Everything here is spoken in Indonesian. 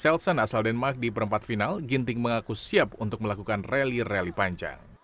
selson asal denmark di perempat final ginting mengaku siap untuk melakukan rally rally panjang